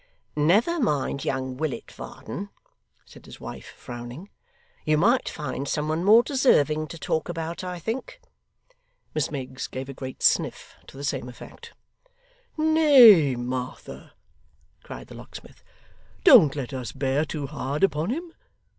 'Never mind young Willet, Varden,' said his wife frowning; 'you might find some one more deserving to talk about, I think.' Miss Miggs gave a great sniff to the same effect. 'Nay, Martha,' cried the locksmith, 'don't let us bear too hard upon him.